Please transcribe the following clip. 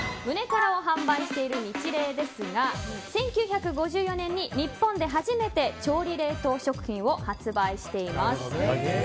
むねからを販売しているニチレイですが１９５４年に日本で初めて調理冷凍食品を発売しています。